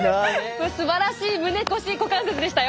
もうすばらしい胸腰股関節でしたよ。